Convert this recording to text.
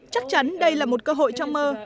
chắc chắn đây là một cơ hội trong mơ